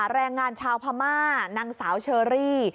แรงงานชาวพม่านางสาวเชอรี่